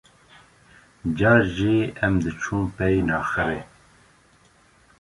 Car jî em diçun pey naxirê.